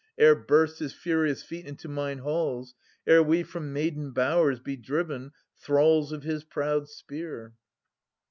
Ere burst his furious feet into mine halls. Ere we from maiden bowers be driven, thralls Of his proud spear